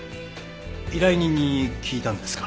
依頼人に聞いたんですか？